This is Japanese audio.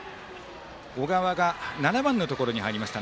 小川が７番のところに入りました。